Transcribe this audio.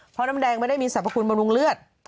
เพราะน้ำแดงไม่ได้มีสรรพคุณบำรุงเลือด